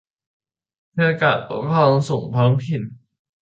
เพื่อการปกครองส่วนท้องถิ่น